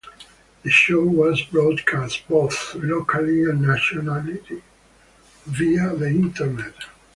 The show was broadcast both locally and nationally via the internet.